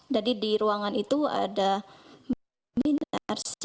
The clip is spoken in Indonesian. jadi di ruangan itu ada minarsi